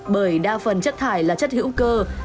bởi đa phần chất thải là chất hữu cơ